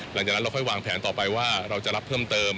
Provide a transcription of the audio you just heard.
หลังจากนั้นเราค่อยวางแผนต่อไปว่าเราจะรับเพิ่มเติม